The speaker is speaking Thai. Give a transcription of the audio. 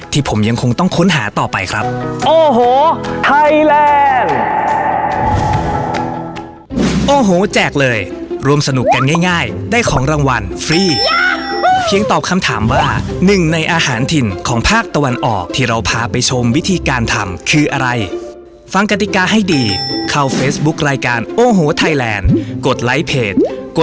ที่ผมยังคงต้องค้นหาต่อไปครับโอ้โหไทยแลนด์